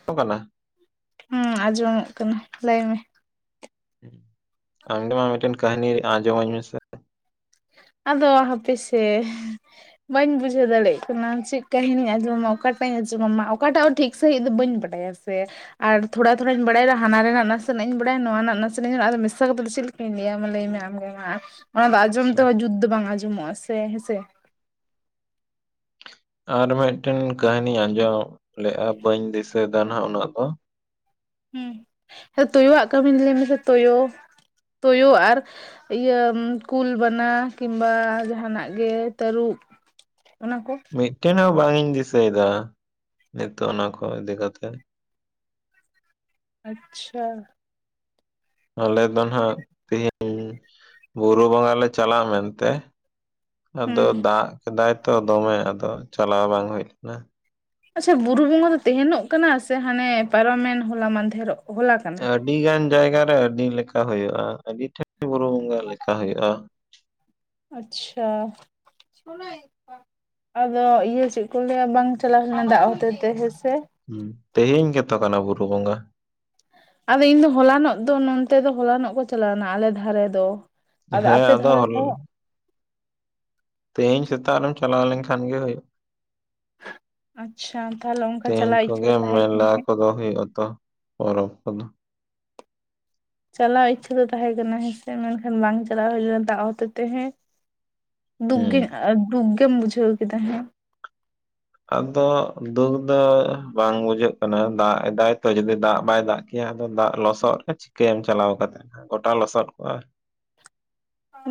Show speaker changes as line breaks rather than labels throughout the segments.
[unintelligible]
ᱦᱚᱸ ᱟᱸᱡᱚᱢᱚᱜ ᱠᱟᱱᱟ ᱞᱟᱹᱭ ᱢᱮ᱾
ᱟᱢᱜᱮ ᱢᱟ ᱢᱤᱫᱴᱮᱱ ᱠᱟᱹᱦᱟᱹᱱᱤ ᱟᱸᱡᱚᱢᱟᱹᱧ ᱢᱮᱥᱮᱜ᱾
ᱟᱫᱚ ᱦᱟᱯᱮᱥᱮ, ᱵᱟᱹᱧ ᱵᱩᱡᱷᱟᱹᱣ ᱫᱟᱲᱮᱜ ᱠᱟᱱᱟ ᱪᱮᱫ ᱠᱟᱹᱦᱱᱤᱧ ᱟᱸᱡᱚᱢᱟ ᱚᱠᱟᱴᱟᱜ ᱤᱧ ᱟᱸᱡᱚᱢ ᱟᱢᱟ ᱚᱠᱟᱴᱟᱜ ᱦᱚᱸ ᱴᱷᱤᱠ ᱴᱤᱠ ᱥᱟᱦᱤᱪ ᱫᱚ ᱵᱟᱹᱧ ᱵᱟᱰᱟᱭᱟ ᱥᱮ, ᱟᱨ ᱛᱷᱚᱲᱟ ᱛᱷᱚᱲᱟᱧ ᱵᱟᱲᱟᱭ ᱨᱮᱦᱚᱸ ᱦᱟᱱᱟ ᱨᱮᱱᱟᱜ ᱱᱟᱥᱮᱱᱟᱜ ᱤᱧ ᱵᱟᱲᱟᱭᱟ ᱱᱚᱣᱟ ᱨᱮᱱᱟᱜ ᱱᱟᱥᱮᱱᱟᱜ ᱤᱧ ᱵᱟᱲᱟᱭ ᱟᱫᱚ ᱢᱮᱥᱟ ᱠᱟᱛᱮ ᱪᱮᱜ ᱤᱧ ᱞᱟᱹᱭᱟᱢᱟ ᱞᱟᱹᱭᱢᱮ ᱟᱢᱜᱮ ᱢᱟ ᱚᱱᱟᱫᱚ ᱟᱡᱚᱢ
ᱟᱪᱪᱷᱟ
ᱛᱮᱦᱚᱸ ᱡᱩᱫ ᱫᱚ ᱵᱟᱝ ᱟᱸᱡᱚᱢᱚᱜ-ᱟ ᱥᱮ ᱦᱮᱸᱥᱮ᱾
ᱟᱨ ᱢᱤᱫᱴᱮᱱ ᱠᱟᱹᱦᱱᱤᱧ ᱟᱸᱡᱚᱢ ᱞᱮᱜᱼᱟ ᱵᱟᱹᱧ ᱫᱤᱥᱟᱹᱭ ᱫᱟ ᱱᱟᱦᱟᱜ ᱩᱱᱟᱹᱜ ᱫᱚ᱾
ᱦᱚᱸ ᱛᱳᱭᱳᱭᱟᱜ ᱠᱟᱹᱢᱤ ᱞᱟᱹᱭ ᱢᱮᱥᱮ ᱛᱩᱭᱩ ᱛᱩᱭᱩ ᱟᱨ ᱤᱭᱟᱹ ᱠᱩᱞ ᱵᱟᱱᱟ ᱠᱤᱢᱵᱟ ᱡᱟᱦᱟᱱᱟᱜ ᱜᱮ ᱛᱟᱹᱨᱩᱵ, ᱚᱱᱟ ᱠᱚ᱾
ᱢᱤᱫᱴᱮᱱ ᱦᱚᱸ ᱵᱟᱝ ᱤᱧ ᱫᱤᱥᱟᱹᱭᱫᱟ ᱱᱤᱛᱚᱜ ᱚᱱᱟ ᱠᱚ ᱤᱫᱤ ᱠᱟᱛᱮ᱾
ᱟᱪᱪᱷᱟ,
ᱟᱞᱮ ᱫᱚ ᱱᱟᱦᱟᱜ ᱛᱮᱦᱤᱧ ᱵᱩᱨᱩ ᱵᱚᱸᱜᱟ ᱞᱮ ᱪᱟᱞᱟᱜ ᱢᱮᱱᱛᱮ, ᱟᱫᱚ
ᱦᱩᱸ
ᱫᱟᱜ ᱠᱮᱫᱟᱭ ᱛᱚ ᱫᱚᱢᱮ ᱟᱫᱚ ᱪᱟᱞᱟᱣ ᱵᱟᱝ ᱦᱩᱭ ᱞᱮᱱᱟ᱾
ᱟᱪᱪᱷᱟ ᱵᱩᱨᱩ ᱵᱚᱸᱜᱟ ᱫᱚ ᱛᱮᱦᱮᱱᱚᱜ ᱠᱟᱱᱟ ᱥᱮ ᱦᱟᱱᱮ ᱯᱟᱨᱚᱢᱮᱱ ᱦᱚᱞᱟ ᱢᱟᱫᱷᱮᱨᱚᱜ ᱦᱚᱞᱟ ᱠᱟᱱᱟ?
ᱟᱹᱰᱤ ᱜᱟᱱ ᱡᱟᱭᱜᱟᱨᱮ ᱟᱹᱰᱤ ᱞᱮᱠᱟ ᱦᱩᱭᱩᱜᱼᱟ, ᱟᱹᱰᱤ ᱴᱷᱮᱱ ᱵᱩᱨᱩ ᱵᱚᱸᱜᱟ ᱞᱮᱠᱟ ᱦᱩᱭᱩᱜᱼᱟ᱾
ᱟᱪᱪᱷᱟ, ᱟᱫᱚ ᱤᱭᱟᱹ ᱪᱮᱜ ᱠᱚ ᱞᱟᱹᱭᱟ ᱵᱟᱝ ᱪᱟᱞᱟᱣ ᱦᱩᱭ ᱞᱮᱱᱟ ᱫᱟᱜ ᱦᱚᱛᱮ ᱛᱮ ᱦᱮᱸᱥᱮ᱾
ᱛᱮᱦᱮᱧ ᱜᱮᱛᱚ ᱠᱟᱱᱟ ᱵᱩᱨᱩ ᱵᱚᱸᱜᱟ᱾
ᱟᱫᱚ ᱤᱧ ᱫᱚ ᱦᱚᱞᱟᱱᱚᱜ ᱫᱚ ᱱᱚᱛᱮ ᱫᱚ ᱦᱚᱞᱟᱱᱚᱜ ᱠᱚ ᱪᱟᱞᱟᱣ ᱞᱮᱱᱟ ᱟᱞᱮ ᱫᱷᱟᱨᱮ ᱫᱚ᱾ ᱟᱫᱚ
ᱦᱮᱸ
ᱟᱯᱮ ᱫᱟᱨ
ᱦᱚᱞ
ᱫᱚ?
ᱛᱮᱦᱤᱧ ᱥᱮᱛᱟᱜ ᱨᱮᱢ ᱪᱟᱞᱟᱣ ᱞᱮᱱᱠᱷᱟᱱ ᱜᱮ ᱦᱩᱭᱩᱜᱼᱟ᱾
ᱟᱪᱪᱷᱟ ᱛᱟᱦᱚᱞᱮ ᱚᱱᱠᱟ
ᱛᱮᱦᱮᱧ
ᱪᱟᱞᱟᱣ ᱤᱪᱪᱷᱟᱹ ᱫᱚ
ᱠᱚᱜᱮ
ᱛᱟᱦᱮᱸ ᱠᱟᱱᱟ
ᱢᱮᱞᱟ
ᱦᱮᱸ
ᱠᱚᱫᱚ ᱦᱩᱭᱩᱜᱼᱟ ᱛᱚ᱾ ᱯᱚᱨᱚᱵ ᱠᱚᱫᱚ,
ᱪᱟᱞᱟᱣ ᱤᱪᱪᱷᱟᱹ ᱫᱚ ᱛᱟᱦᱮᱸ ᱠᱟᱱᱟ ᱦᱮᱸᱥᱮ ᱢᱮᱱᱠᱷᱟᱱ ᱵᱟᱝ ᱪᱟᱞᱟᱣ ᱦᱩᱭ ᱞᱮᱱᱟ ᱫᱟᱜ ᱦᱚᱛᱮ ᱛᱮ ᱦᱮᱸ᱾ ᱫᱩᱠ ᱜᱮ
ᱦᱩᱸ
ᱫᱩᱠ ᱜᱮᱢ ᱵᱩᱡᱷᱟᱹᱣ ᱠᱮᱫᱟ ᱦᱮᱸ
ᱟᱫ ᱫᱚ ᱫᱩᱠ ᱫᱚ ᱵᱟᱝ ᱵᱩᱡᱷᱟᱹᱜ ᱠᱟᱱᱟ ᱫᱟᱜ ᱮᱫᱟᱭ ᱛᱚ ᱡᱩᱫᱤ ᱫᱟᱜ ᱵᱟᱭ ᱫᱟᱜ ᱮᱭᱟ ᱟᱫᱚ ᱫᱟᱜ ᱞᱚᱥᱚᱫ ᱨᱮ ᱪᱤᱠᱟᱹᱭᱟᱢ ᱪᱟᱞᱟᱣ ᱠᱟᱛᱮ ᱜᱚᱴᱟ ᱞᱚᱥᱚᱫ ᱠᱚᱜᱼᱟ᱾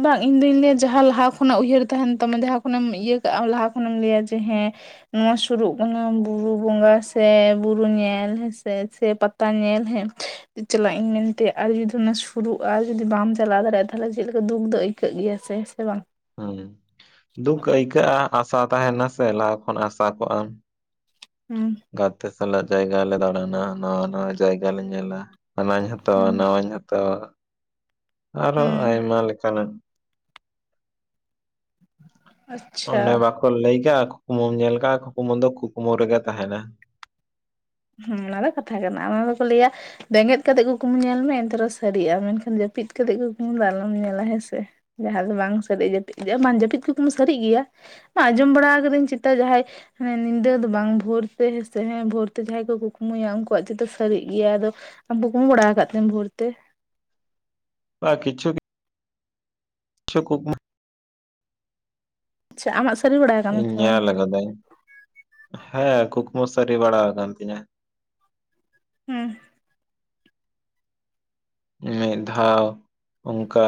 ᱵᱟᱝ ᱤᱧ ᱫᱩᱧ ᱞᱟᱹᱭᱟ ᱡᱟᱦᱟᱸ ᱞᱟᱦᱟ ᱠᱷᱚᱱᱟᱜ ᱩᱭᱦᱟᱹᱨ ᱛᱟᱦᱮᱱ ᱛᱟᱢᱟ ᱡᱟᱦᱟᱸ ᱠᱷᱚᱱᱮᱢ ᱤᱭᱟᱹ ᱠᱟᱜᱼᱟ ᱞᱟᱦᱟ ᱠᱷᱚᱱᱮᱢ ᱞᱟᱹᱭᱟ ᱡᱮ ᱦᱮᱸ ᱱᱚᱣᱟ ᱥᱩᱨᱩᱜ ᱠᱟᱱᱟ ᱵᱩᱨᱩ ᱵᱚᱸᱜᱟ ᱥᱮ ᱵᱩᱨᱩ ᱧᱮᱞ ᱦᱮᱸ ᱥᱮ ᱥᱮ ᱯᱟᱛ ᱛᱟ ᱧᱮᱞ ᱦᱮᱸ ᱪᱟᱞᱟᱜ ᱤᱧ ᱢᱮᱱᱛᱮ ᱟᱨ ᱡᱩᱫᱤ ᱚᱱᱟ ᱥᱩᱨᱩᱜᱼᱟ ᱟᱨ ᱡᱩᱫᱤ ᱵᱟᱢ ᱪᱟᱞᱟᱣ ᱫᱟᱲᱮᱭᱟᱜᱼᱟ ᱛᱟᱦᱚᱞᱮ ᱪᱮᱜ ᱞᱮᱠ ᱫᱩᱠ ᱫᱚ ᱟᱹᱭᱠᱟᱹᱜ ᱜᱮᱭᱟ ᱥᱮ ᱦᱮᱸᱥᱮ ᱵᱟᱝ?
ᱦᱳᱭ ᱫᱩᱠ ᱟᱹᱭᱠᱟᱹᱜᱼᱟ ᱟᱥᱟ ᱛᱟᱦᱮᱱᱟ ᱥᱮ ᱞᱟᱦᱟ ᱠᱷᱚᱱ ᱟᱥᱟ ᱠᱚᱜᱼᱟᱢ᱾
ᱦᱚᱸ
ᱜᱟᱛᱮ ᱥᱟᱞᱟᱜ ᱡᱟᱭᱜᱟ ᱞᱮ ᱫᱟᱬᱟᱱᱟ ᱱᱟᱣᱟ ᱱᱟᱣᱟ ᱡᱟᱭᱜᱟ ᱞᱮ ᱧᱮᱞᱟ᱾ ᱦᱟᱱᱟᱧ ᱦᱟᱛᱟᱣᱟ
ᱦᱩᱸ
ᱱᱟᱣᱟᱧ ᱦᱟᱛᱟᱣᱟ ᱟᱨᱦᱚ
ᱦᱩᱸ
ᱟᱭᱢᱟ ᱞᱮᱠᱟᱱᱟᱜ᱾
ᱟᱪᱪᱷᱟ
ᱚᱱᱮ ᱵᱟᱠᱚ ᱞᱟᱹᱭ ᱠᱟᱜᱼᱟ ᱠᱩᱠᱢᱩᱢ ᱧᱮᱞ ᱠᱟᱜᱼᱟ ᱠᱩᱠᱢᱩ ᱫᱚ ᱠᱩᱠᱢᱩ ᱨᱮᱜᱮ ᱛᱟᱦᱮᱱᱟ᱾
ᱦᱩᱸ ᱚᱱᱟ ᱫᱚ ᱠᱟᱛᱷᱟ ᱠᱟᱱᱟ ᱚᱱᱟ ᱫᱚᱠᱚ ᱞᱟᱹᱭᱟ ᱵᱮᱸᱜᱮᱫ ᱠᱟᱛᱮᱜ ᱠᱩᱠᱢᱩ ᱧᱮᱞ ᱢᱮ ᱮᱱᱛᱮᱨᱮᱦᱚᱸ ᱥᱟᱹᱨᱤᱜᱼᱟ ᱢᱮᱱᱠᱷᱟᱱ ᱡᱟᱹᱯᱤᱫ ᱠᱟᱛᱮᱜ ᱠᱩᱠᱢᱩ ᱫᱚ ᱟᱞᱚᱢ ᱧᱮᱞᱟ ᱦᱮᱸᱥᱮ᱾ ᱡᱟᱦᱟᱸ ᱫᱚ ᱵᱟᱝ ᱥᱟᱹᱨᱤᱜ ᱡᱟᱹᱯᱤᱫ ᱜᱮ ᱵᱟᱝᱟᱱ ᱡᱟᱹᱯᱤᱫ ᱠᱚᱫᱢ [unintelligible] ᱥᱟᱹᱨᱤᱜ ᱜᱮᱭᱟ᱾ ᱮ ᱟᱸᱡᱚᱢ ᱵᱟᱲᱟ ᱟᱠᱟᱫᱟᱹᱧ ᱪᱮᱛᱟ ᱡᱟᱦᱟᱸᱭ ᱦᱟᱱᱮ ᱧᱤᱫᱟᱹ ᱫᱚ ᱵᱟᱝ ᱵᱷᱳᱨ ᱛᱮ ᱦᱮᱸ ᱥᱮᱸ ᱵᱷᱳᱨ ᱡᱟᱦᱟᱸᱭ ᱠᱚ ᱠᱩᱠᱢᱩᱭᱟ ᱩᱱᱠᱩᱣᱟᱜ ᱪᱮᱛᱚ ᱥᱟᱹᱨᱤᱜ ᱜᱮᱭᱟ ᱟᱫᱚ ᱟᱢ ᱠᱩᱠᱢᱩ ᱵᱟᱲᱟ ᱟᱠᱟᱫ ᱛᱮᱢ ᱵᱷᱳᱨ ᱛᱮ᱾
ᱵᱟ ᱠᱤᱪᱷᱩ ᱠᱤᱪᱷᱩ ᱠᱩᱠᱢᱩ
ᱟᱪᱷᱟ ᱟᱢᱟᱜ ᱥᱟᱹᱨᱤ ᱵᱟᱲᱟ ᱟᱠᱟᱱᱟ
ᱤᱧ
ᱥᱮ ᱵᱟᱝ
ᱧᱮᱞ ᱟᱠᱟᱫᱟᱹᱧ ᱦᱮᱸ ᱠᱩᱠᱢᱩ ᱥᱟᱹᱨᱤ ᱵᱟᱲᱟ ᱟᱠᱟᱱ ᱛᱤᱧᱟᱹ
ᱦᱮᱸ
ᱢᱤᱫ ᱫᱷᱟᱣ ᱚᱱᱠᱟ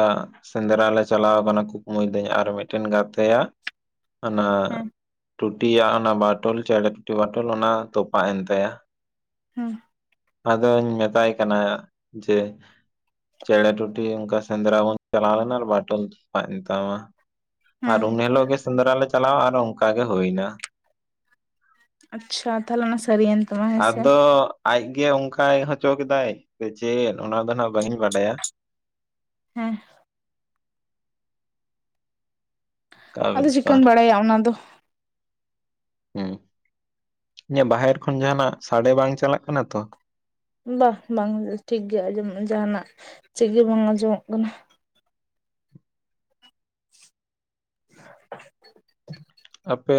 ᱥᱮᱸᱫᱽᱨᱟ ᱞᱮ ᱪᱟᱞᱟᱣ ᱟᱠᱟᱱᱟ ᱠᱩᱠᱢᱩᱭ ᱫᱟᱹᱧ ᱟᱨ ᱢᱤᱫᱴᱮᱱ ᱜᱟᱛᱮ ᱭᱟᱜ ᱚᱱᱟ
ᱦᱮᱸ
ᱴᱩᱴᱤᱭᱟᱜ ᱚᱱᱟ ᱵᱟᱴᱩᱞ ᱪᱮᱬᱮ ᱴᱩᱴᱤ ᱵᱟᱴᱩᱞ ᱚᱱᱟ ᱛᱚᱯᱟᱜ ᱮᱱ ᱛᱟᱭᱟ᱾
ᱦᱩᱸ
ᱟᱫᱚᱧ ᱢᱮᱛᱟᱭ ᱠᱟᱱᱟ ᱡᱮ ᱪᱮᱬᱮ ᱴᱩᱴᱤ ᱚᱝᱠᱟ ᱥᱮᱸᱫᱽᱨᱟ ᱵᱚᱱ ᱪᱟᱞᱟᱣᱱᱟ ᱟᱨ ᱵᱟᱴᱩᱞ ᱛᱚᱯᱟᱜ ᱮᱱ ᱛᱟᱢᱟ᱾ ᱟᱨ
ᱦᱮᱸ
ᱩᱱ ᱦᱤᱞᱳᱜ ᱜᱮ ᱥᱮᱸᱫᱽᱨᱟ ᱞᱮ ᱪᱟᱞᱟᱣᱟ ᱟᱨ ᱚᱱᱠᱟ ᱜᱮ ᱦᱩᱭᱱᱟ᱾
ᱟᱪᱪᱷᱟ ᱛᱟᱦᱚᱞᱮ ᱚᱱᱟ ᱥᱟᱹᱨᱤᱭᱮᱱ ᱛᱟᱢᱟ ᱦᱮᱸᱥᱮ᱾
ᱟᱫᱚ ᱟᱡᱜᱮ ᱚᱱᱠᱟᱭ ᱦᱚᱪᱚ ᱠᱮᱫᱟᱭ ᱥᱮ ᱪᱮᱫ ᱚᱱᱟ ᱫᱚ ᱱᱟᱜ ᱵᱟᱝᱤᱧ ᱵᱟᱰᱟᱭᱟ᱾
ᱦᱮᱸ
ᱚᱠᱟ
ᱟᱫᱚ ᱪᱤᱠᱟᱹᱢ
ᱵᱮᱯᱟᱨ
ᱵᱟᱲᱟᱭᱟ ᱚᱱᱟ ᱫᱚ᱾
ᱦᱮᱸ ᱤᱧᱟᱹᱜ ᱵᱟᱦᱮᱨ ᱠᱷᱚᱱ ᱡᱟᱦᱟᱸᱱᱟᱜ ᱥᱟᱰᱮ ᱵᱟᱝ ᱪᱟᱞᱟᱜ ᱠᱟᱱᱟ ᱛᱚ᱾
ᱵᱟᱝ ᱵᱟᱝ ᱴᱷᱤᱠ ᱜᱮᱭᱟ ᱟᱸᱡᱚᱢᱚᱜ ᱡᱟᱦᱟᱱᱟᱜ ᱪᱮᱫ ᱜᱮ ᱵᱟᱝ ᱟᱸᱡᱚᱢᱚᱜ ᱠᱟᱱᱟ᱾ [inaudible]
ᱟᱯᱮ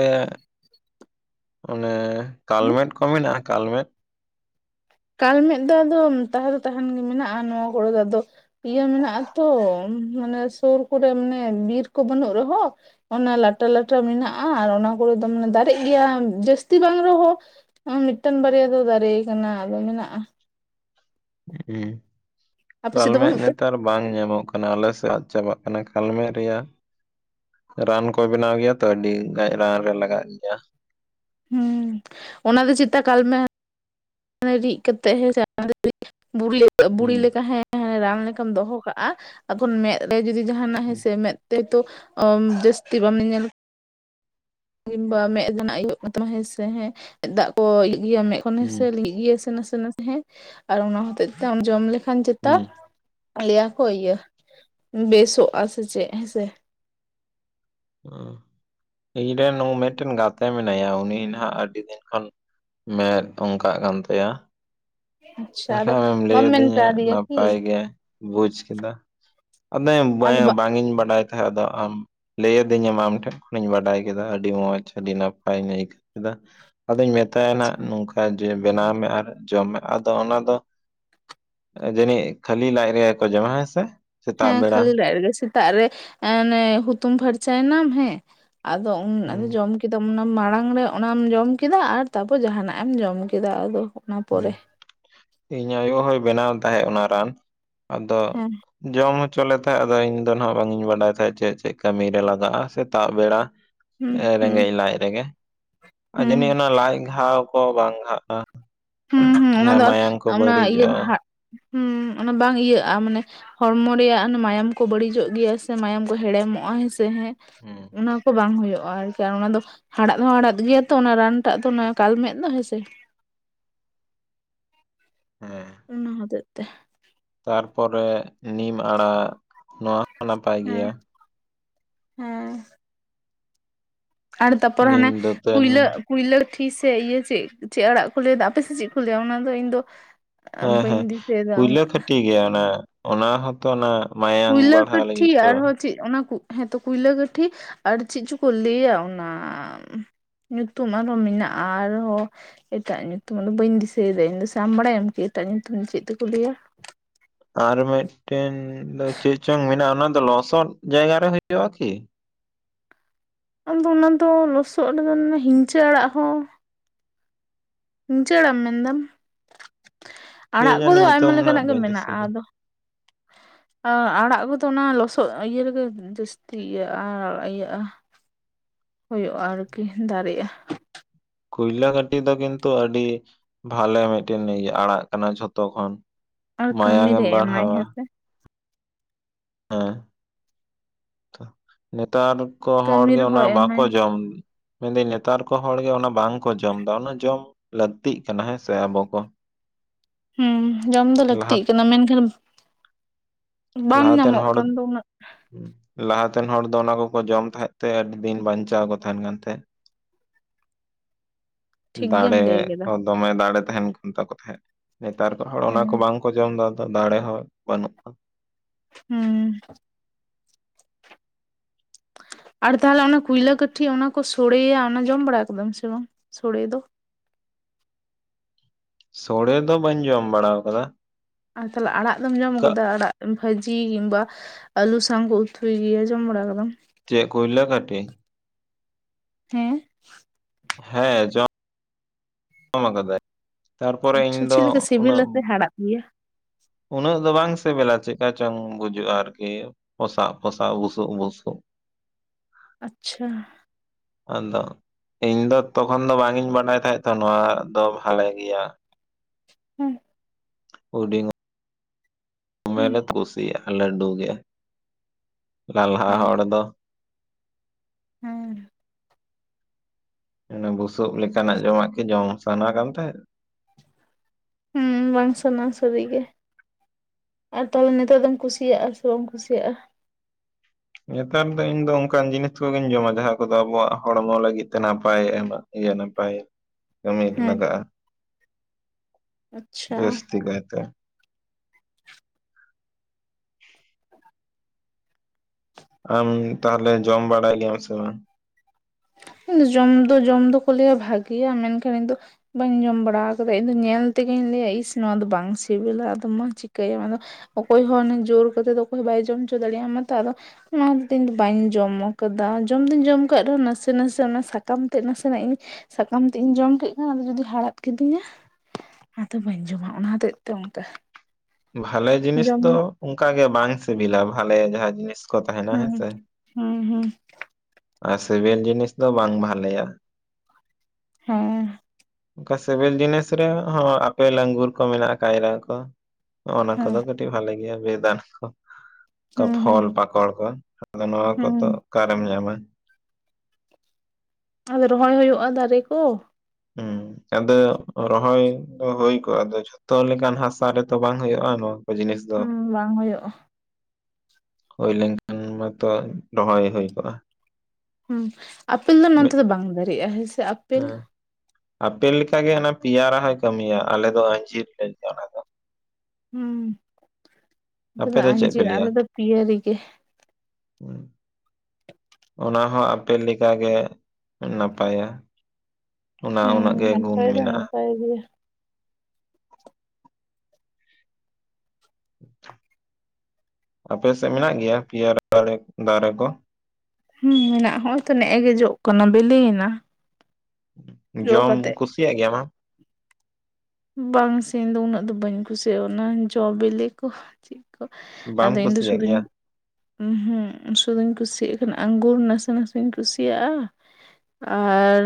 ᱚᱱᱮ
ᱦᱮᱸ
ᱠᱟᱞᱢᱮᱫ ᱠᱚ ᱢᱮᱱᱟᱜᱼᱟ ᱠᱟᱞᱢᱮᱫ
ᱠᱟᱞᱢᱮᱫ ᱫᱚ ᱟᱫᱚ ᱛᱟᱦᱮ ᱫᱚ ᱛᱟᱦᱮᱱ ᱜᱮ ᱢᱮᱱᱟᱜᱼᱟ ᱱᱚᱣᱟ ᱠᱚᱨᱮ ᱫᱚ ᱟᱫᱚ ᱤᱭᱟᱹ ᱢᱮᱱᱟᱜ ᱟ ᱛᱚ ᱢᱟᱱᱮ ᱥᱩᱨ ᱠᱚᱨᱮ ᱢᱟᱱᱮ ᱵᱤᱨ ᱠᱚ ᱵᱟᱹᱱᱩᱜ ᱨᱮᱦᱚᱸ ᱚᱱᱟ ᱞᱟᱴᱟᱼ ᱞᱟᱴᱟ ᱢᱮᱱᱟᱜᱼᱟ ᱟᱨ ᱚᱱᱟ ᱠᱚᱨᱮ ᱫᱚ ᱢᱟᱱᱮ ᱫᱟᱨᱮᱜ ᱜᱮᱭᱟ ᱡᱟᱹᱥᱛᱤ ᱵᱟᱝ ᱨᱮᱦᱚᱸ ᱢᱤᱫᱴᱮᱱ ᱵᱟᱨᱭᱟ ᱫᱚ ᱫᱟᱨᱮ ᱠᱟᱱᱟ ᱟᱫᱚ ᱢᱮᱱᱟᱜᱼᱟ᱾
ᱦᱮ
ᱟᱯᱮ ᱥᱮᱫ ᱫᱚ
ᱠᱟᱞᱢᱮᱫ
ᱵᱟᱹᱱᱩᱜ ᱛᱮ
ᱱᱮᱛᱟᱨ ᱵᱟᱝ ᱧᱟᱢᱚᱜ ᱠᱟᱱᱟ ᱟᱞᱮ ᱥᱮᱫ ᱟᱫ ᱪᱟᱵᱟᱜ ᱠᱟᱱᱟ ᱠᱟᱞᱢᱮᱜ ᱨᱮᱭᱟᱜ ᱨᱟᱱ ᱠᱚ ᱵᱮᱱᱟᱣ ᱜᱮᱭᱟ ᱛᱚ ᱟᱹᱰᱤ ᱜᱟᱡ ᱨᱟᱱ ᱨᱮ ᱞᱟᱜᱟᱜ ᱜᱮᱭᱟ᱾
ᱦᱩᱸ ᱚᱱᱟ ᱫᱚ ᱪᱮᱫᱛᱟ ᱠᱟᱞᱢᱮᱫ ᱨᱤᱫ ᱠᱟᱛᱮᱜ ᱵᱩᱲᱤ
ᱦᱩᱸ
ᱞᱮᱠᱟ ᱦᱮᱸ ᱨᱟᱱ ᱞᱮᱠᱟᱢ ᱫᱚᱦᱚ ᱠᱟᱜᱼᱟ ᱮᱠᱷᱚᱱ ᱢᱮᱸᱫ ᱨᱮ ᱡᱩᱫᱤ ᱡᱟᱦᱟᱱᱟᱜ ᱦᱮᱸᱥᱮ ᱢᱮᱸᱫ ᱛᱮᱛᱚ ᱡᱟᱹᱥᱛᱤ ᱵᱟᱢ ᱧᱮᱧᱮᱞ ᱠᱤᱱᱵᱟ ᱢᱮᱫ ᱨᱮᱱᱟᱜ ᱤᱭᱟᱹᱜ ᱦᱮᱸᱥ ᱦᱮᱸ ᱢᱮᱫ ᱫᱟᱜ ᱠᱚ ᱤᱭᱟᱹᱜ ᱜᱮᱭᱟ ᱢᱮᱫ ᱛᱚᱠᱷᱚᱱᱮ
ᱦᱩᱸ
ᱥᱮ ᱞᱟᱹᱜᱤᱫ [unintelligible] ᱜᱮ ᱥᱮ ᱱᱟᱥᱮ ᱱᱟᱥᱮ ᱛᱟᱦᱮᱸᱫ ᱟᱨ ᱚᱱᱟ ᱦᱚᱛᱮᱡ ᱛᱮ ᱟᱢ ᱡᱚᱢ ᱞᱮᱠᱷᱟᱱ ᱪᱮᱛᱟᱱ
ᱦᱩᱸ
ᱞᱮᱭᱟ ᱠᱚ ᱦᱳᱭ ᱜᱮ ᱵᱮᱥᱚᱜᱼᱟ ᱥᱮ ᱪᱮᱫ ᱦᱮᱸᱥᱮ
ᱤᱧ ᱨᱮᱱ ᱢᱤᱫᱴᱮᱱ ᱜᱟᱛᱮ ᱢᱮᱱᱟᱭᱟ ᱩᱱᱤ ᱱᱟᱴᱟᱜ ᱟᱹᱰᱤ ᱫᱤᱱ ᱠᱷᱚᱱ ᱢᱮᱫ ᱚᱱᱠᱟᱜ ᱠᱟᱱ ᱛᱟᱭᱟ᱾
ᱟᱪᱪᱷᱟ
ᱛᱟᱦᱚᱞᱮ
ᱟᱫᱚ
ᱟᱢᱮᱢ ᱞᱟᱹᱭ
ᱵᱟᱢ ᱢᱮᱱ
ᱟᱹᱫᱤᱧᱟ
ᱠᱟᱣᱫᱮᱭᱟ ᱠᱤ
ᱱᱟᱯᱟᱭ ᱜᱮ ᱵᱩᱡᱽ ᱠᱮᱫᱟ᱾ ᱟᱫᱚ
ᱟᱫᱚ ᱵᱟ
ᱵᱟᱝ ᱤᱧ ᱵᱟᱰᱟᱭ ᱛᱟᱦᱮᱸᱜ ᱟᱫᱚ ᱟᱢ ᱞᱟᱹᱭ ᱟᱹᱫᱤᱧᱟᱢ ᱟᱢ ᱴᱷᱮᱱ ᱠᱷᱚᱱᱤᱧ ᱵᱟᱰᱟᱭ ᱠᱮᱫᱟ ᱟᱹᱰᱤ ᱢᱚᱸᱡᱽ ᱟᱹᱰᱤ ᱱᱟᱯᱟᱭᱤᱧ ᱟᱹᱭᱠᱟᱹᱣ ᱠᱮᱫᱟ ᱾ ᱟᱫᱚᱧ ᱢᱮᱛᱟᱭᱟ
ᱟᱪᱪᱷᱟ
ᱦᱟᱜ ᱱᱚᱝᱠᱟ ᱡᱮ ᱵᱮᱱᱟᱣ ᱢᱮ ᱟᱨ ᱡᱚᱢ ᱢᱮ ᱟᱫᱚ ᱚᱱᱟ ᱫᱚ ᱡᱟᱹᱱᱤᱡ ᱠᱷᱟᱹᱞᱤ ᱞᱟᱡ ᱨᱮ ᱠᱚ ᱡᱚᱢᱟ ᱦᱮᱸ ᱥᱮ ᱥᱮᱛᱟᱜ
ᱦᱮᱸ
ᱵᱮᱲᱟ
ᱠᱷᱟᱞᱤ ᱞᱟᱡ ᱨᱮᱜᱮ ᱥᱮᱛᱟᱜ ᱨᱮ ᱦᱩᱛᱩᱢ ᱯᱷᱟᱨᱪᱟᱭ ᱧᱟᱢ ᱦᱮᱸ᱾ ᱟᱫᱚ ᱩᱱ ᱟᱫᱚ
ᱦᱩᱸ
ᱡᱚᱢ ᱠᱮᱫᱟᱢ ᱚᱱᱟ ᱢᱟᱲᱟᱝ ᱨᱮ ᱚᱱᱟᱢ ᱡᱚᱢ ᱠᱮᱫᱟ ᱟᱨ ᱛᱟᱯᱚᱨ ᱡᱟᱦᱟᱱᱟᱜ ᱮᱢ ᱡᱚᱢ ᱠᱮᱫᱟ ᱟᱫᱚ ᱚᱱᱟ
ᱦᱩᱸ
ᱯᱚᱨᱮ
ᱤᱧ ᱟᱭᱳ ᱦᱚᱸᱭ ᱵᱮᱱᱟᱣ ᱛᱟᱦᱮᱸᱫ ᱚᱱᱟ ᱨᱟᱱ ᱟᱫᱚ
ᱦᱮᱸ
ᱡᱚᱢ ᱦᱚᱪᱚ ᱞᱮ ᱛᱟᱦᱮᱸᱫ ᱟᱫᱚ ᱤᱧ ᱫᱚ ᱱᱟᱜ ᱵᱟᱝ ᱤᱧ ᱵᱟᱰᱟᱭ ᱛᱟᱦᱮᱸᱜ ᱪᱮᱫ ᱪᱮᱫ ᱠᱟᱹᱢᱤ ᱨᱮ ᱞᱟᱜᱟᱜᱼᱟ ᱥᱮᱛᱟᱜ ᱵᱮᱲᱟ
ᱦᱩᱸ ᱦᱩᱸ
ᱨᱮᱸᱜᱮᱡ ᱞᱟᱡ ᱨᱮᱜᱮ ᱟᱫᱚ
ᱦᱩᱸ
ᱡᱟᱹᱱᱤᱡ ᱚᱱᱟ ᱞᱟᱡ ᱜᱷᱟᱣ ᱠᱚ ᱵᱟᱝ ᱜᱷᱟᱜᱼᱟ᱾
ᱦᱩᱸ ᱦᱩᱸ ᱚᱱᱟ
ᱡᱟᱦᱟᱸ
ᱫᱚ ᱟᱨ
ᱢᱟᱭᱟᱝ ᱠᱚ
ᱚᱱᱟ ᱤᱭᱟᱹ
ᱵᱟᱹᱲᱤᱡᱚᱜᱼᱟ
ᱚᱱᱟ ᱵᱟᱝ ᱤᱭᱟᱹᱜᱼᱟ ᱢᱟᱱᱮ ᱦᱚᱲᱢᱚ ᱨᱮᱭᱟᱜ ᱢᱟᱭᱟᱢ ᱠᱚ ᱵᱟᱹᱲᱤᱡᱚᱜ ᱜᱮᱭᱟ ᱥᱮ ᱢᱟᱭᱟᱢ ᱠᱚ ᱦᱮᱲᱮᱢᱚᱜᱼᱟ ᱦᱮᱸ ᱥᱮ ᱦᱮᱸ
ᱦᱩᱸ
ᱚᱱᱟ ᱠᱚ ᱵᱟᱝ ᱦᱩᱭᱩᱜᱼᱟ ᱟᱨᱠᱤ ᱚᱱᱟ ᱫᱚ ᱦᱟᱲᱦᱟᱫ ᱦᱚᱸ ᱦᱟᱲᱦᱟᱫ ᱜᱮᱭᱟ ᱛᱚ ᱚᱱᱟ ᱨᱟᱱᱴᱟᱜ ᱫᱚ ᱚᱱᱟ ᱠᱟᱞᱢᱮᱫ ᱫᱚ ᱦᱮᱸᱥᱮ᱾
ᱦᱮᱸ
ᱚᱱᱟ ᱦᱚᱛᱮᱡ ᱛᱮ᱾
ᱛᱟᱨᱯᱚᱨᱮ ᱱᱤᱢ ᱟᱲᱟᱜ ᱱᱚᱣᱟ
ᱦᱮᱸ ᱦᱮᱸ ᱟᱨ ᱛᱟᱯᱚᱨ
ᱱᱤᱢ
ᱦᱟᱱᱮ
ᱫᱟᱹᱛᱟᱹᱱᱤ
ᱠᱩᱭᱞᱟᱹ ᱠᱩᱭᱞᱟᱹ ᱠᱷᱟᱴᱤ ᱥᱮ ᱤᱭᱟᱹ ᱪᱮᱫ ᱪᱮᱫ ᱟᱲᱟᱜ ᱠᱚ ᱞᱟᱹᱭᱟ ᱟᱯᱮ ᱥᱮᱫ ᱪᱮᱫ ᱠᱚ ᱞᱟᱹᱭᱟ ᱚᱱᱟ ᱫᱚ ᱤᱧ ᱫᱚ
ᱦᱮᱸ ᱦᱮᱸ
ᱵᱟᱹᱧ ᱫᱤᱥᱟᱹᱭᱮᱫᱟ
ᱠᱩᱭᱞᱟᱹ
ᱚᱱᱟ
ᱠᱷᱟᱴᱤ ᱜᱮ ᱚᱱᱮ ᱚᱱᱟ ᱦᱚᱸᱛᱚ ᱚᱱᱟ ᱢᱟᱭᱟᱝ
ᱠᱩᱭᱞᱟᱹ
ᱵᱟᱲᱦᱟᱣ
ᱠᱟᱹᱴᱷᱤ
ᱞᱟᱹᱜᱤᱫ ᱠᱚ
ᱟᱨᱦᱚᱸ ᱪᱮᱫ ᱚᱱᱟ ᱠᱚ ᱦᱮᱸᱛᱚ ᱠᱩᱭᱞᱟᱹ ᱠᱟᱴᱷᱤ ᱟᱨ ᱪᱮᱫ ᱪᱚᱠᱚ ᱞᱟᱹᱭᱟ ᱚᱱᱟ ᱧᱩᱛᱩᱢ ᱟᱨᱦᱚᱸ ᱢᱮᱱᱟᱜᱼᱟ ᱟᱨᱦᱚᱸ ᱮᱴᱟᱜ ᱧᱩᱛᱩᱢ ᱵᱟᱹᱧ ᱫᱤᱥᱟᱹᱭᱮᱫᱟ ᱤᱧ ᱫᱚ ᱥᱮᱢ ᱵᱟᱲᱟᱭᱟᱢ ᱠᱤ ᱮᱴᱟᱜ ᱧᱩᱛᱩᱢ ᱪᱮᱫ ᱛᱮᱠᱚ ᱞᱟᱹᱭᱟ᱾
ᱟᱨ ᱢᱤᱫᱴᱮᱱ ᱫᱚ ᱪᱮᱫᱪᱚᱝ ᱢᱮᱱᱟᱜᱼᱟ ᱚᱱᱟ ᱫᱚ ᱞᱚᱥᱚᱫ ᱡᱟᱭᱜᱟ ᱨᱮ ᱦᱩᱭᱩᱜᱼᱟ ᱠᱤ?
ᱟᱫᱚ ᱚᱱᱟ ᱫᱚ ᱞᱚᱥᱚᱫ ᱨᱮᱫᱚ ᱦᱤᱧᱪᱟᱹ ᱟᱲᱟᱜ ᱦᱚᱸ᱾ ᱦᱤᱧᱪᱟᱹ ᱟᱲᱟᱜ ᱢᱮᱱ ᱫᱟᱢ᱾
ᱠᱮ
ᱟᱲᱟᱜ
ᱡᱟᱹᱱᱤ
ᱠᱚᱫᱚ ᱟᱭᱢᱟ
ᱧᱩᱛᱩᱢ ᱨᱮᱱᱟᱜ
ᱞᱮᱠᱟᱱᱟᱜ ᱜᱮ
ᱵᱟᱹᱧ
ᱢᱮᱱᱟᱜᱼᱟ
ᱫᱤᱥᱟᱹᱭᱮᱫᱟ
ᱟᱫᱚ ᱟᱨ ᱟᱲᱟᱜ ᱠᱚᱫᱚ ᱚᱱᱟ ᱞᱚᱥᱚᱫ ᱤᱭᱟᱹ ᱨᱮᱜᱮ ᱡᱟᱹᱥᱛᱤ ᱤᱭᱟᱹᱜᱼᱟ ᱤᱭᱟᱹᱜᱼᱟ᱾ ᱦᱩᱭᱩᱜᱼᱟ ᱟᱨᱠᱤ ᱫᱟᱨᱮᱜᱼᱟ᱾
ᱠᱚᱭᱞᱟᱹ ᱠᱷᱟᱹᱴᱤ ᱫᱚ ᱠᱤᱱᱛᱩ ᱟᱹᱰᱤ ᱵᱷᱟᱞᱮ ᱢᱤᱫᱴᱮᱱ ᱤᱭᱟ. ᱟᱲᱟᱜ ᱠᱟᱱᱟ ᱡᱷᱚᱛᱚ ᱠᱷᱚᱱ᱾
ᱟᱨ
ᱢᱟᱭᱟᱝ
ᱠᱟᱹᱢᱤᱨᱮ
ᱮᱢ
ᱮᱢᱟᱭ
ᱵᱟᱲᱦᱟᱣᱟ
ᱦᱮᱸᱥᱮ
ᱦᱮ ᱱᱮᱛᱟᱨ ᱠᱚ
ᱠᱟᱹᱢᱤ
ᱦᱚᱲᱜᱮ ᱚᱱᱟ
ᱨᱮᱦᱚᱸ
ᱵᱟᱠᱚ
ᱮᱢᱟᱭ
ᱡᱚᱢ ᱢᱮᱱᱫᱟᱹᱧ ᱱᱮᱛᱟᱨ ᱠᱚ ᱦᱚᱲᱜᱮ ᱚᱱᱟ ᱵᱟᱝᱠᱚ ᱡᱚᱢ ᱮᱫᱟ ᱚᱱᱟ ᱡᱚᱢ ᱞᱟᱹᱠᱛᱤᱜ ᱠᱟᱱᱟ ᱦᱮᱸ ᱥᱮ ᱟᱵᱚ ᱠᱚ᱾
ᱦᱮᱸ ᱡᱚᱢ ᱫᱚ
ᱞᱟᱦᱟ
ᱞᱟᱹᱠᱛᱤᱜ ᱠᱟᱱᱟ, ᱢᱮᱱᱠᱷᱟᱱ ᱵᱟᱝ
ᱞᱟᱦᱟᱛᱮᱱ
ᱧᱟᱢᱚᱜ
ᱦᱚᱲ
ᱠᱟᱱ ᱫᱚ ᱩᱱᱟᱹᱜ,
ᱞᱟᱦᱟᱛᱮᱱ ᱦᱚᱲ ᱫᱚ ᱚᱱᱟ ᱠᱚᱠᱚ ᱡᱚᱢ ᱛᱟᱦᱮᱸᱫ ᱛᱮ ᱟᱹᱰᱤ ᱫᱤᱱ ᱵᱟᱧᱪᱟᱣ ᱠᱚ ᱛᱟᱦᱮᱱ ᱠᱟᱱ ᱛᱟᱦᱮᱸᱜ᱾
ᱴᱷᱤᱠ ᱜᱮᱢ
ᱫᱟᱲᱮ
ᱞᱟᱹᱭ ᱠᱮᱫᱟ
ᱫᱚᱢᱮ ᱫᱟᱲᱮ ᱛᱟᱦᱮᱱ ᱠᱟᱱ ᱛᱟᱠᱚ ᱛᱟᱦᱮᱸᱫ, ᱱᱮᱛᱟᱨ ᱠᱚ ᱦᱚᱲ ᱚᱱᱟ
ᱦᱮᱸ
ᱠᱚ ᱵᱟᱝ ᱵᱟᱠᱚ ᱡᱚᱢ ᱮᱫᱟ ᱫᱟᱲᱮ ᱦᱚᱸ ᱵᱟᱹᱱᱩᱜᱼᱟ᱾
ᱦᱩᱸ, ᱟᱨ ᱛᱟᱦᱚᱞᱮ ᱚᱱᱟ ᱠᱩᱭᱞᱟᱹ ᱠᱟᱹᱴᱷᱤ ᱚᱱᱟ ᱠᱚ ᱥᱚᱲᱮᱭᱟ ᱚᱱᱟ ᱡᱚᱢ ᱵᱟᱲᱟ ᱟᱠᱟᱫᱟᱢ ᱥᱮ ᱵᱟᱝ ᱥᱚᱲᱮ ᱫᱚ?
ᱥᱳᱲᱮ ᱫᱚ ᱵᱟᱹᱧ ᱡᱚᱢ ᱵᱟᱲᱟ ᱟᱠᱟᱫᱟ᱾
ᱟᱨ ᱛᱟᱦᱚᱞᱮ ᱟᱲᱟᱜ ᱫᱚᱢ ᱡᱚᱢ ᱠᱟᱫᱟ ᱟᱲᱟᱜ, ᱵᱷᱟᱹᱡᱤ ᱠᱤᱝᱵᱟ ᱟᱹᱞᱩ ᱥᱟᱝ ᱠᱚ ᱩᱛᱩᱭ ᱜᱮᱭᱟ ᱡᱚᱢ ᱵᱟᱲᱟ ᱠᱟᱫᱟᱢ?
ᱪᱮᱫ ᱠᱩᱭᱞᱟᱹ ᱠᱟᱹᱴᱷᱤ?
ᱦᱮᱸ᱾
ᱦᱮᱸ ᱡᱚᱢ ᱡᱚᱢ ᱠᱟᱹᱫᱟᱧ᱾
ᱟᱪᱪᱷᱟ, ᱪᱮᱫ ᱞᱮᱠᱟ ᱥᱤᱵᱤᱞᱟ ᱥᱮ ᱦᱟᱲᱦᱟᱜ ᱜᱮᱭᱟ?
ᱩᱱᱟᱹᱜ ᱫᱚ ᱵᱟᱝ ᱥᱤᱵᱤᱞᱟ ᱪᱮᱠᱠᱟ ᱪᱚᱝ ᱵᱩᱡᱩᱜᱼᱟ ᱟᱨᱠᱤ᱾ ᱯᱚᱥᱟ ᱯᱚᱥᱟ ᱵᱩᱥᱩ ᱵᱩᱥᱩ᱾
ᱟᱪᱪᱷᱟ,
ᱟᱫᱚ ᱤᱧ ᱫᱚ ᱛᱚᱠᱷᱚᱱ ᱫᱚ ᱵᱟᱝ ᱤᱧ ᱵᱟᱰᱟᱭ ᱛᱟᱦᱮᱸᱜ ᱛᱚ ᱱᱚᱣᱟ ᱫᱚ ᱵᱷᱟᱞᱮ ᱜᱮᱭᱟ᱾
ᱦᱩᱸ
[unintelligible] ᱫᱚᱢᱮ
ᱦᱮᱸ
ᱞᱮ ᱠᱩᱥᱤᱭᱟᱜᱼᱟ ᱞᱟᱹᱰᱩ ᱜᱮ ᱞᱟᱞᱦᱟ
ᱦᱮᱸ
ᱦᱚᱲ ᱫᱚ᱾
ᱦᱮ,
ᱚᱱᱟ ᱵᱩᱥᱩᱵ ᱞᱮᱠᱟᱱᱟᱜ ᱡᱚᱢᱟᱜ ᱠᱤ ᱡᱚᱢ ᱥᱟᱱᱟ ᱠᱟᱱ ᱛᱟᱦᱮᱜ,
ᱦᱩᱸ ᱵᱟᱝ ᱥᱟᱱᱟᱣᱟ ᱥᱟᱹᱨᱤ ᱜᱮ᱾ ᱟᱨ ᱛᱟᱦᱞᱮ ᱱᱤᱛᱚᱜ ᱫᱚᱢ ᱠᱩᱥᱤᱭᱟᱜᱼᱟ ᱥᱮ ᱵᱟᱢ ᱠᱩᱥᱤᱭᱟᱜᱼᱟ᱾
ᱱᱮᱛᱟᱨ ᱫᱚ ᱤᱧ ᱫᱚ ᱚᱱᱠᱟᱱ ᱡᱤᱱᱤᱥ ᱠᱚᱜᱤᱧ ᱡᱚᱢᱟ ᱡᱟᱦᱟᱸ ᱠᱚᱫᱚ ᱟᱵᱚᱣᱟᱜ ᱦᱚᱲᱢᱚ ᱞᱟᱹᱜᱤᱫ ᱛᱮ ᱱᱟᱯᱟᱭᱮ ᱮᱢᱟ᱾ ᱤᱭᱟᱹ ᱱᱟᱯᱟᱭ ᱠᱟᱹᱢᱤ ᱨᱮ
ᱦᱮᱸ
ᱞᱟᱜᱟᱜᱼᱟ
ᱟᱪᱪᱷᱟ
ᱡᱟᱹᱥᱛᱤ ᱠᱟᱭᱛᱮ᱾ ᱟᱢ ᱛᱟᱦᱞᱮ ᱡᱚᱢ ᱵᱟᱲᱟᱭ ᱜᱮᱭᱟᱢ ᱥᱮ ᱵᱟᱝ?
ᱡᱚᱢ ᱫᱚ ᱡᱚᱢ ᱫᱚᱠᱚ ᱞᱟᱹᱭᱟ ᱵᱷᱟᱜᱮᱭᱟ ᱢᱮᱱᱠᱷᱟᱱ ᱤᱧ ᱫᱚ ᱵᱟᱹᱧ ᱡᱚᱢ ᱵᱟᱲᱟ ᱟᱠᱟᱫᱟ, ᱤᱧᱫᱚ ᱧᱮᱞ ᱛᱮᱜᱤᱧ ᱞᱟᱹᱭᱟ ᱤᱥ ᱱᱚᱣᱟ ᱫᱚ ᱵᱟᱝ ᱥᱤᱵᱤᱞᱟ, ᱟᱫᱚ ᱢᱟ ᱪᱤᱠᱟᱹᱭᱟᱢ ᱟᱫᱚ᱾ ᱚᱠᱚᱭ ᱦᱚᱸ ᱚᱱᱮ ᱡᱳᱨ ᱠᱟᱛᱮ ᱫᱚ ᱚᱠᱚᱭ ᱦᱚᱸ ᱵᱟᱭ ᱡᱚᱢ ᱚᱪᱚ ᱫᱟᱲᱮᱭᱟ ᱢᱟᱛᱚ ᱟᱫᱚ ᱚᱱᱟ ᱠᱷᱟᱛᱤᱨ ᱤᱧ ᱫᱚ ᱵᱟᱧ ᱡᱚᱢ ᱠᱟᱫᱟ, ᱡᱚᱢ ᱫᱩᱧ ᱡᱚᱢ ᱠᱟᱜ ᱨᱮᱦᱚᱸ ᱱᱟᱥᱮ ᱱᱟᱥᱮ ᱚᱱᱟ ᱥᱟᱠᱟᱢ ᱛᱮᱜ ᱱᱟᱥᱮ ᱱᱟᱜ ᱤᱧ ᱥᱟᱠᱟᱢ ᱛᱮᱜ ᱤᱧ ᱡᱚᱢ ᱠᱮᱫ ᱠᱷᱟᱱ ᱟᱫᱚ ᱡᱩᱫᱤ ᱦᱟᱲᱟᱫ ᱠᱤᱫᱤᱧᱟ᱾ ᱟᱫᱚ ᱵᱟᱹᱧ ᱡᱚᱢᱟ ᱚᱱᱟ ᱦᱚᱛᱮᱜ ᱛᱮ ᱚᱱᱠᱟ᱾
ᱵᱷᱟᱞᱮ ᱡᱤᱱᱤᱥ
ᱡᱚᱢ
ᱫᱚ ᱚᱱᱠᱟᱜᱮ ᱵᱟᱝ ᱥᱤᱵᱤᱞᱟ ᱵᱷᱟᱞᱮ ᱡᱟᱸᱦᱟ ᱡᱤᱱᱤᱥ ᱠᱚ ᱛᱟᱦᱮᱱᱟ
ᱦᱩᱸ
ᱦᱮᱸᱥᱮ᱾
ᱦᱩᱸ ᱦᱩᱸ᱾
ᱟᱨ ᱥᱤᱵᱤᱞ ᱡᱤᱱᱤᱥ ᱫᱚ ᱵᱟᱝ ᱵᱷᱟᱞᱮᱭᱟ᱾
ᱦᱮᱸᱻ
ᱚᱱᱠᱟ ᱥᱤᱵᱤᱞ ᱡᱤᱱᱤᱥ ᱨᱮᱭᱟᱜ ᱦᱚᱸ ᱟᱯᱮᱞ ᱟᱹᱜᱩᱨ ᱠᱚ ᱢᱮᱱᱟᱜ ᱠᱟᱜ ᱠᱟᱭᱨᱟ ᱠᱚ ᱱᱚᱜᱱᱟ
ᱦᱮᱸ
ᱠᱚᱫᱚ ᱠᱟᱹ ᱠᱟᱹᱴᱤᱢ ᱵᱷᱟᱞᱮ ᱜᱮᱭᱟ ᱵᱮᱫᱟᱱᱟ ᱠᱚ ᱚᱠᱟ
ᱦᱩᱸ ᱦᱩᱸ
ᱯᱷᱚᱞ ᱯᱟᱠᱚᱲ ᱠᱚ᱾ ᱟᱫᱚ ᱱᱚᱣᱟ ᱠᱚᱛᱚ
ᱦᱩᱸ
ᱚᱠᱟᱨᱮᱢ ᱧᱟᱢᱟ᱾
ᱟᱫᱚ ᱨᱚᱦᱚᱭ ᱦᱩᱭᱩᱜᱼᱟ ᱫᱟᱨᱮ ᱠᱚ
ᱦᱩᱸ ᱟᱫᱚ ᱨᱚᱦᱚᱭ ᱫᱚ ᱦᱩᱭ ᱠᱚᱜᱼᱟ [unintelligible] ᱡᱷᱚᱛᱚ ᱞᱮᱠᱟᱱ ᱦᱟᱥᱟ ᱨᱮᱛᱚ ᱵᱟᱝ ᱦᱩᱭᱩᱜᱼᱟ ᱱᱚᱣᱟ ᱠᱚ ᱡᱤᱱᱤᱥ ᱫᱚ᱾
ᱦᱩᱸ ᱵᱟᱝ ᱦᱩᱭᱩᱜᱼᱟ
ᱦᱳᱭ ᱞᱮᱱᱠᱷᱟᱱ ᱢᱟᱛᱚ ᱨᱚᱦᱚᱭ ᱦᱩᱭ ᱠᱚᱜᱼᱟ᱾
ᱦᱩᱸ ᱟᱯᱮᱞ ᱫᱚ
ᱢᱤᱫ
ᱱᱚᱱᱚᱛᱮ ᱫᱚ ᱵᱟᱝ ᱫᱟᱨᱤᱜᱼᱟ ᱦᱮᱸᱥᱮ ᱟᱯᱮᱞ
ᱦᱮᱸ ᱟᱯᱮᱞ ᱞᱮᱠᱟ ᱜᱮ ᱚᱱᱟ ᱯᱮᱭᱟᱨᱟ ᱦᱚᱸᱭ ᱠᱟᱹᱢᱤᱭᱟ ᱟᱞᱮ ᱫᱚ ᱟᱸᱡᱤᱨ ᱞᱮ ᱞᱟᱹᱭᱟ ᱚᱱᱟ ᱫᱚ᱾
ᱦᱩᱸ ᱟᱯᱮ ᱫᱚ ᱟᱸᱡᱤᱨ ᱟᱞᱮ ᱫᱚ ᱯᱤᱭᱟᱹᱨᱤ ᱜᱮ᱾
ᱦᱳᱭ ᱚᱱᱟ ᱦᱚᱸ ᱟᱯᱮᱞ ᱞᱮᱠᱟ ᱜᱮ ᱱᱟᱯᱟᱭᱟ᱾ ᱚᱱᱟ ᱩᱱᱟᱹᱜ ᱜᱮ ᱜᱩᱱ ᱢᱮᱱᱟᱜᱼᱟ᱾
ᱦᱳᱭ ᱜᱤ
ᱟᱯᱮᱥᱮᱜ ᱢᱮᱱᱟᱜ ᱜᱮᱭᱟ ᱯᱮᱭᱟᱨᱟ ᱫᱟᱨᱮ ᱫᱟᱨᱮ ᱠᱚ᱾
ᱦᱩᱸ ᱢᱮᱱᱟᱜᱼᱟ ᱦᱚᱜᱚᱭ ᱛᱚ ᱱᱮᱜᱼᱮ ᱜᱮ ᱡᱚᱜ ᱠᱟᱱᱟ ᱵᱮᱞᱮᱭᱮᱱᱟ᱾
ᱡᱚᱢ ᱠᱩᱥᱤᱭᱟᱜ ᱜᱮᱭᱟᱢ ᱟᱢ ᱚᱱᱟ ᱾
ᱵᱟᱝ ᱥᱮ ᱤᱧ ᱫᱚ ᱩᱱᱟᱹᱜ ᱫᱚ ᱵᱟᱹᱧ ᱠᱩᱥᱤᱭᱟᱜ ᱚᱱᱟ ᱡᱚ ᱵᱤᱞᱤ ᱠᱚ ᱪᱮᱫ
ᱵᱟᱢ
ᱟᱫᱚ ᱤᱧ ᱫᱚ
ᱠᱩᱥᱤᱭᱟᱜ
ᱥᱩᱫᱷᱩᱧ
ᱜᱮᱭᱟ
ᱥᱩᱫᱷᱩᱧ ᱠᱩᱥᱤᱭᱟᱜ ᱠᱷᱟᱱ ᱟᱸᱜᱩᱨ ᱱᱟᱥᱮ ᱱᱟᱥᱮᱧ ᱠᱩᱥᱤᱭᱟᱜᱼᱟ᱾ ᱟᱨ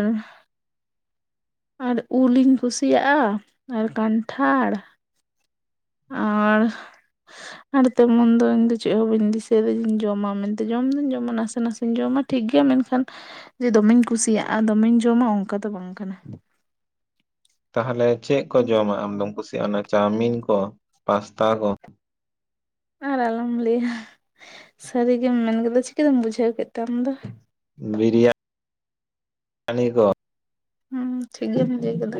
ᱟᱨ ᱩᱞᱤ, ᱤᱧ ᱠᱩᱥᱤᱭᱟᱜᱼᱟ ᱟᱨ ᱠᱟᱱᱴᱷᱟᱲ, ᱟᱨ
[inaudible]
ᱟᱨ ᱛᱮᱢᱚᱱᱫᱚ ᱤᱧᱫᱚ ᱪᱮᱜ ᱦᱚ ᱵᱟᱹᱧ ᱫᱤᱥᱟᱹᱭᱮᱫᱟ ᱡᱮᱧ ᱡᱚᱢᱟ ᱢᱮᱱᱛᱮ ᱡᱚᱢ ᱫᱩᱧ ᱡᱚᱢᱟ ᱱᱟᱥᱮ ᱱᱟᱥᱮᱧ ᱡᱚᱢᱟ᱾ ᱴᱷᱤᱠ ᱜᱮᱭᱟ ᱢᱮᱱᱠᱷᱟᱱ ᱡᱮ ᱫᱚᱢᱮᱧ ᱠᱩᱥᱤᱭᱟᱜᱼᱟ ᱫᱚᱢᱮᱧ ᱡᱚᱢᱟ ᱚᱱᱠᱟ ᱫᱚ ᱵᱟᱝ ᱠᱟᱱᱟ᱾
ᱛᱟᱦᱞᱮ ᱪᱮᱜ ᱠᱚ ᱡᱚᱢᱟᱜ ᱟᱢᱫᱚᱢ ᱠᱩᱥᱤᱭᱟᱜᱼᱟ ᱚᱱᱟ ᱪᱟᱣᱢᱤᱱ ᱠᱚ ᱯᱟᱥᱛᱟ ᱠᱚ᱾
ᱟᱨ ᱟᱞᱚᱢ ᱞᱟᱹᱭᱟ ᱥᱟᱹᱨᱤ ᱜᱮᱢ ᱢᱮᱱ ᱠᱮᱫᱟ ᱪᱤᱠᱟᱹᱛᱮᱢ ᱵᱩᱡᱷᱟᱹᱣ ᱠᱮᱫ ᱛᱮ ᱟᱢ ᱫᱚ᱾
ᱵᱤᱨᱤᱭᱟᱱᱤ ᱠᱚ
ᱦᱩᱸ ᱴᱷᱤᱠ ᱜᱮᱢ ᱞᱟᱹᱭ ᱠᱟᱫᱟ᱾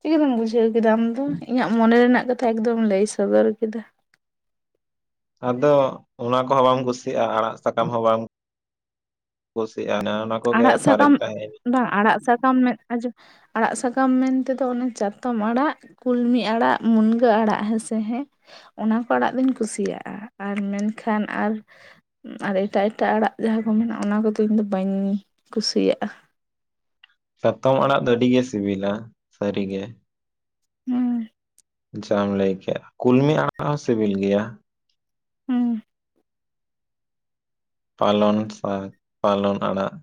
ᱪᱤᱠᱟᱹᱛᱮᱢ ᱵᱩᱡᱷᱟᱹᱣ ᱠᱮᱫᱟ ᱟᱢ ᱫᱚ ᱤᱧᱟᱹᱜ ᱢᱚᱱᱮ ᱨᱮᱱᱟᱜ ᱠᱟᱛᱷᱟ ᱮᱠᱫᱚᱢ ᱞᱟᱹᱭ ᱥᱚᱫᱚᱨ ᱠᱮᱫᱟ᱾
ᱟᱫᱚ ᱚᱱᱟ ᱠᱚᱦᱚ ᱵᱟᱢ ᱠᱩᱥᱤᱭᱟᱜᱼᱟ ᱟᱲᱟᱜ ᱥᱟᱠᱟᱢ ᱦᱚᱸ ᱵᱟᱢ ᱠᱩᱥᱤᱜᱼᱟ ᱚᱱᱮ ᱚᱱᱟ ᱠᱚᱜᱮ
ᱟᱲᱟᱜ
ᱥᱟᱨᱮᱡ
ᱥᱟᱠᱟᱢ
ᱛᱟᱦᱮᱸᱭᱮᱱᱟ
ᱵᱟᱝ ᱟᱲᱟᱜ ᱥᱟᱠᱟᱢ ᱢᱮ ᱟᱡᱟᱢ ᱟᱲᱟᱜ ᱥᱟᱠᱟᱢ ᱢᱮᱱᱛᱮᱫᱚ ᱚᱱᱮ ᱪᱟᱛᱚᱢ ᱟᱲᱟᱜ ᱠᱩᱞᱢᱤ ᱟᱲᱟᱜ ᱢᱩᱱᱜᱟᱹ ᱟᱲᱟᱜ ᱦᱮᱸᱥᱮ ᱦᱮᱸ ᱚᱱᱟ ᱠᱚ ᱟᱲᱟᱜ ᱫᱩᱧ ᱠᱩᱥᱤᱭᱟᱜᱼᱟ ᱟᱨ ᱢᱮᱱᱠᱷᱟᱱ ᱟᱨ ᱟᱨ ᱮᱴᱟᱜ ᱮᱴᱟᱜ ᱟᱲᱟᱜ ᱡᱟᱦᱟᱸ ᱠᱚ ᱢᱮᱱᱟᱜᱼᱟ ᱚᱱᱟ ᱠᱚᱫᱚ ᱤᱧ ᱫᱚ ᱵᱟᱹᱧ ᱠᱩᱥᱤᱭᱟᱜᱼᱟ᱾
ᱥᱟᱛᱚᱢ ᱟᱲᱟᱜ ᱫᱚ ᱟᱹᱰᱤ ᱜᱮ ᱥᱤᱵᱤᱞᱟ ᱥᱟᱹᱨᱤ ᱜᱮ᱾
ᱦᱩᱸ
ᱡᱟᱦᱟᱢ ᱞᱟᱹᱭ ᱠᱮᱫ ᱠᱩᱞᱢᱤ ᱟᱲᱟᱜ ᱦᱚᱸ ᱥᱤᱵᱤᱞ ᱜᱮᱭᱟ᱾
ᱦᱩᱸ
ᱯᱟᱞᱚᱱ ᱥᱟᱠ ᱯᱟᱞᱚᱱ ᱟᱲᱟᱜ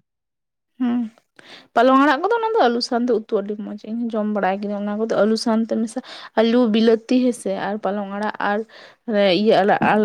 ᱦᱩᱸ
[inaudible]
ᱯᱟᱞᱚᱝ ᱟᱲᱟᱜ ᱠᱚᱫᱚ ᱚᱱᱟᱫᱚ ᱟᱹᱞᱩ ᱥᱟᱱᱛᱮ ᱩᱛᱩ ᱟᱹᱰᱤ ᱢᱚᱸᱡᱽ ᱤᱧ ᱦᱚᱸᱧ ᱡᱚᱢ ᱵᱟᱲᱟᱭ ᱠᱤᱫᱧ ᱚᱱᱟ ᱠᱚᱫᱚ ᱟᱹᱞᱩ ᱥᱟᱱᱛᱮ ᱢᱮᱥᱟ ᱟᱞᱩ ᱵᱤᱞᱟᱹᱛᱤ ᱦᱮᱸᱥᱮ ᱟᱨ ᱯᱟᱞᱚᱝ ᱟᱲᱟᱜ ᱟᱨ ᱢᱮ ᱤᱭᱟᱹ [unintelligible]